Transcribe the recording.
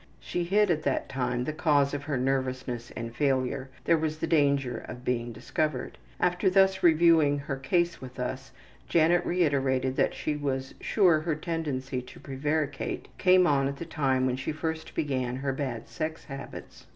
She hid at that time the cause of her nervousness and failure; there was the danger of its being discovered. After thus reviewing her case with us, Janet reiterated that she was sure her tendency to prevaricate came on at the time when she first began her bad sex habits.